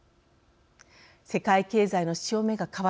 世界経済の潮目が変わる中